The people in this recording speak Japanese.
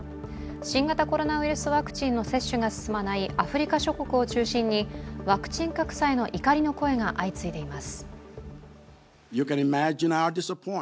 新型コロナウイルスワクチンの接種が進まないアフリカ諸国を中心にワクチン格差への怒りの声が相次いでいます。